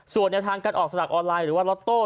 ส่วนแนวทางการออกสลักออนไลน์หรือว่าล็อตโต้